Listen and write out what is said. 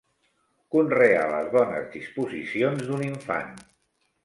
Conrear les bones disposicions d'un infant.